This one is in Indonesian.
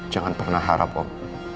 jangan pernah harap om